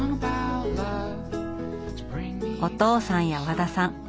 お父さんや和田さん